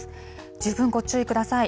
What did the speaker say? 十分ご注意ください。